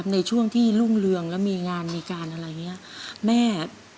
ในช่วงเรืองงานมีการอะไรอย่างนี้